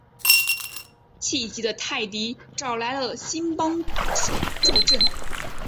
气急的泰迪找来了新帮手助阵。